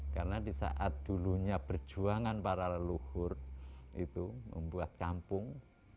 karena disaat dulunya perjuangan para leluhur itu membuat kampung